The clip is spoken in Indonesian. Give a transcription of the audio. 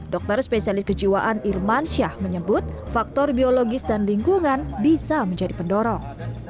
dokter spesialis kejiwaan irman syah menyebut faktor biologis dan lingkungan bisa menjadi pendorong